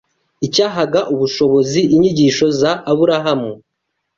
Icyahaga ubushobozi inyigisho za Aburahamu